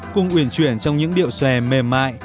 cùng uyển chuyển trong những điệu xòe mềm mại